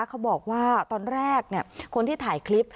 เขาบอกว่าตอนแรกคนที่ถ่ายคลิป